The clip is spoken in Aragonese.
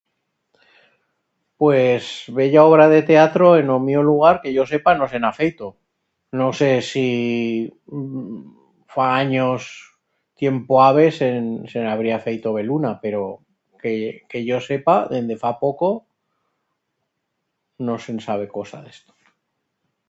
Pues... bella obra de teatro en o mío lugar, que yo sepa, no se'n ha feito. No sé si... fa anyos, tiempo habe, se'n se'n habría feito beluna pero que... que yo sepa dende fa poco, no se'n sabe cosa d'esto.